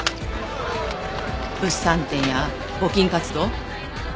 物産展や募金活動。